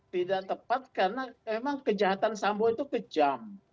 tidak tepat karena emang kejahatan sambo itu kejam